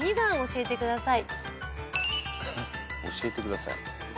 教えてください？